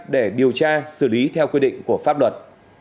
để điều tra xử lý theo quy định của pháp luật